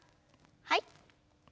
はい。